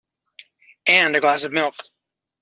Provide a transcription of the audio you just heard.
And a glass of milk.